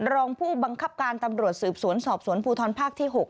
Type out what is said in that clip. รองผู้บังคับการตำรวจสืบสวนสอบสวนภูทรภาคที่๖